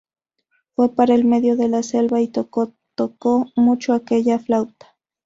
Fue para el medio de la selva y tocó, tocó mucho aquella flauta.